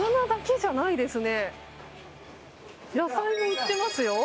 野菜も売っていますよ。